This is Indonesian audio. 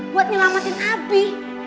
buat nyelamatin abi